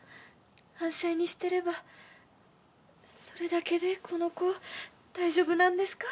安静にしてればそれだけでこの子大丈夫なんですか？